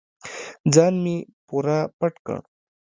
ځان مې پوره پټ کړ.